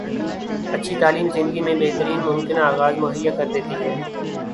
اچھی تعلیم زندگی میں بہترین ممکنہ آغاز مہیا کردیتی ہے